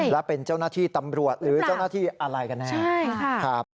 และเป็นเจ้าหน้าที่ตำรวจหรือเจ้าหน้าที่อะไรกันแน่